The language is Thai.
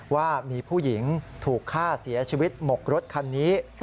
ว่ามีผู้หญิงถูกฆ่าเสียชีวิตหมกรถคันนี้